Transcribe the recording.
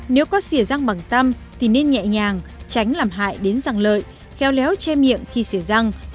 nếu có sửa răng bằng tăm thì nên nhẹ nhàng tránh làm hại đến răng lợi khéo léo che miệng khi sửa răng